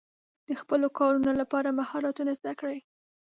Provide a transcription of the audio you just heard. د خپلو کارونو لپاره مهارتونه زده کړئ.